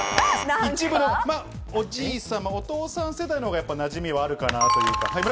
おじいさん、お父さん世代の方がなじみがあるかなというか。